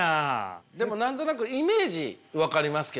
でも何となくイメージ分かりますけどね。